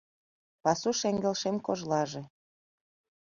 Пасу шеҥгел шем кожлаже